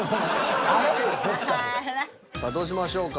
さあどうしましょうか？